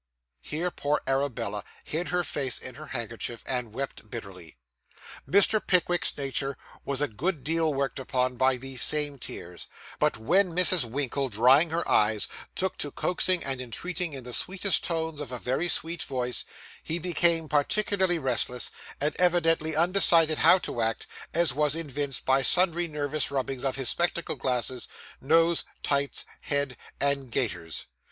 Here poor Arabella hid her face in her handkerchief, and wept bitterly. Mr. Pickwick's nature was a good deal worked upon, by these same tears; but when Mrs. Winkle, drying her eyes, took to coaxing and entreating in the sweetest tones of a very sweet voice, he became particularly restless, and evidently undecided how to act, as was evinced by sundry nervous rubbings of his spectacle glasses, nose, tights, head, and gaiters.